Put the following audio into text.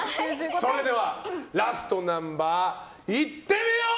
それではラストナンバーいってみよう！